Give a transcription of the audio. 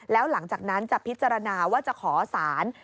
แล้วหลังจากนั้นจะพิจารณาว่าจะขอสาร